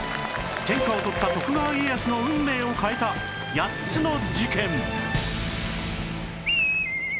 天下を取った徳川家康の運命を変えた８つの事件